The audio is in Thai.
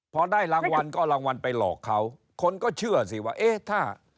พอได้รางวัลก็รางวัลไปหลอกเขาคนก็เชื่อสิว่าเอ๊ะถ้า